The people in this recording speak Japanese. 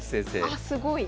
あっすごい。